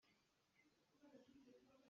Thli thiang lak um cu cuap a dam.